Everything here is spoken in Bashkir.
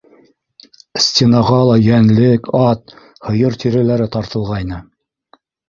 Стенаға ла йәнлек, ат, һыйыр тиреләре тартылғайны.